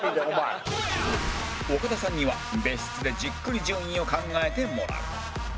岡田さんには別室でじっくり順位を考えてもらう